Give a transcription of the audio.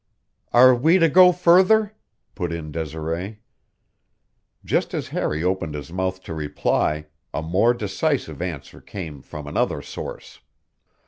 "Are we to go further?" put in Desiree. Just as Harry opened his mouth to reply a more decisive answer came from another source.